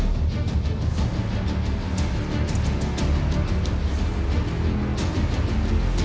มันต้องกลับไปแล้ว